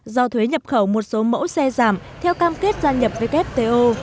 do thuế nhập khẩu một số mẫu xe giảm theo cam kết gia nhập với kfto